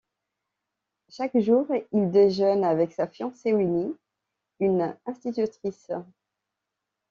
Chaque jour il déjeune avec sa fiancée Winnie, une institutrice.